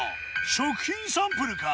食品サンプルか？